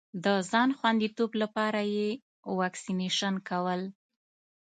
د ځان خوندیتوب لپاره یې واکسېنېشن کول.